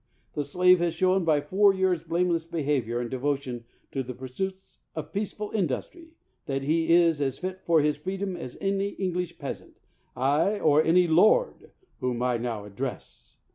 The slave has shown, by four years' blameless behavior and devotion to the pursuits of peaceful industry, that he is as fit for his freedom as any English peasant, aye, or any lord whom I now address.